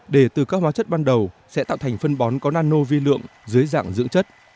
để từ các hóa chất ban đầu sẽ tạo thành phân bón có nano vi lượng dưới dạng dưỡng chất